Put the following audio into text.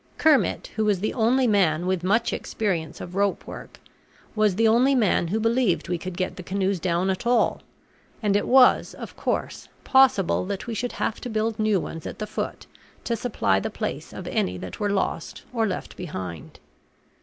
Kermit, who was the only man with much experience of rope work, was the only man who believed we could get the canoes down at all; and it was, of course, possible that we should have to build new ones at the foot to supply the place of any that were lost or left behind.